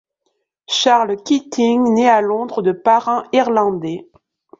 Charles Keating naît à Londres de parents irlandais.